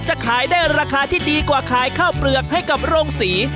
จะขายได้ราคาที่ดีกว่าขายข้าวเปลือกให้กับโรงศรี